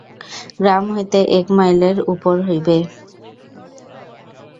গ্রাম হইতে এক মাইলেব উপব হইবে।